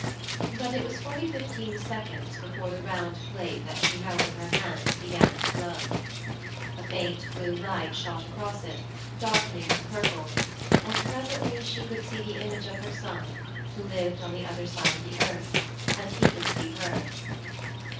But it was fully fifteen seconds before the round plate that she held in her hands began to glow. A faint blue light shot across it, darkening to purple, and presently she could see the image of her son, who lived on the other side of the earth, and he could see her.